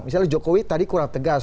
misalnya jokowi tadi kurang tegas